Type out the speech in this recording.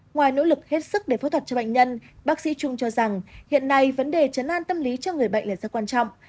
ngoài nỗ lực hết sức để phẫu thuật cho bệnh nhân bác sĩ trung cho rằng hiện nay vấn đề chấn an tâm lý cho người bệnh là rất quan trọng